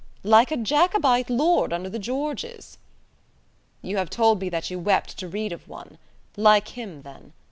"Like a Jacobite lord under the Georges." "You have told me that you wept to read of one: like him, then.